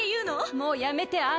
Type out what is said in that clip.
もうやめてアナ。